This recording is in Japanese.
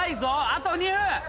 あと２分。